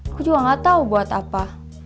aku juga gak tahu buat apa